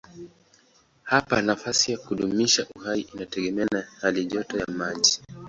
Hapa nafasi ya kudumisha uhai inategemea na halijoto ya maji.